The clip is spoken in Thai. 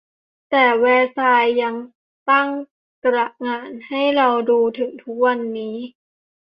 แต่แวร์ซายน์ยังตั้งตระหง่านให้เราดูถึงทุกวันนี้